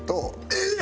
えっ！